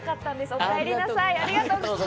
おかえりなさい。